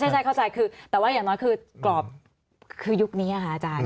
ใช่เข้าใจคือแต่ว่าอย่างน้อยคือกรอบคือยุคนี้ค่ะอาจารย์